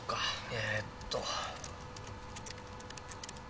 えーっと。